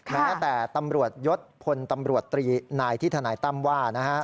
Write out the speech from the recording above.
แม้แต่ตำรวจยศพลตำรวจตรีนายที่ทนายตั้มว่า